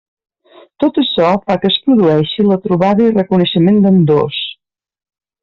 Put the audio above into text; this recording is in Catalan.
Tot açò fa que es produeixi la trobada i reconeixement d'ambdós.